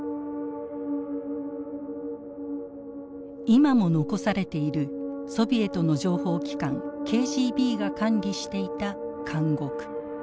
今も残されているソビエトの情報機関ＫＧＢが管理していた監獄。